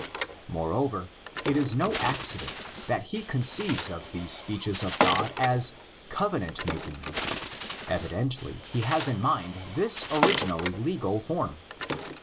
Moreover, it is no accident that he con ceives of these speeches of God as "covenant mak ing": evidently he has in mind this originally legal form.